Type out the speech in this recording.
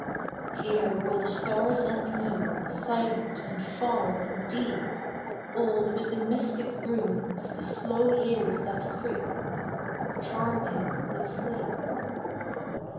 Here will the stars and moon, Silent and far and deep, Old with the mystic rune Of the slow years that creep, Charm him with sleep.